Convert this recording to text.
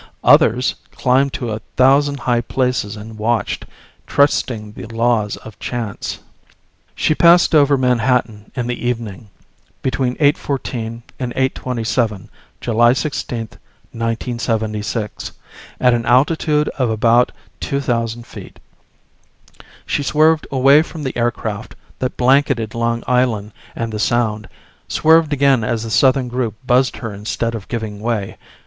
Others climbed to a thousand high places and watched, trusting the laws of chance. She passed over Manhattan in the evening between 8:14 and 8:27 P.M., July 16, 1976 at an altitude of about 2000 feet. She swerved away from the aircraft that blanketed Long Island and the Sound, swerved again as the southern group buzzed her instead of giving way.